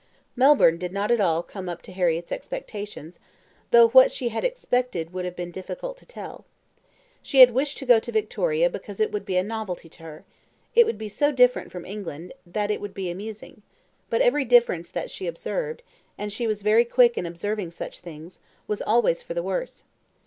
Melbourne did not at all come up to Harriett's expectations, though what she had expected it would have been difficult to tell. She had wished to go to Victoria because it would be a novelty to her it would be so different from England that it would be amusing but every difference that she observed, and she was very quick in observing such things, was always for the worse.